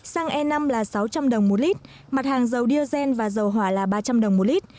xăng e năm là sáu trăm linh đồng một lít mặt hàng dầu diazen và dầu hỏa là ba trăm linh đồng một lít